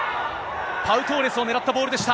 パウ・トーレスを狙ったボールでした。